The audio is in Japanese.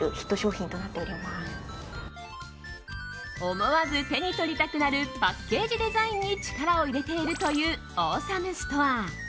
思わず手に取りたくなるパッケージデザインに力を入れているというオーサムストア。